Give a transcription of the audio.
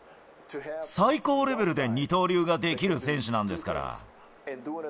最高レベルで二刀流ができる選手なんですから。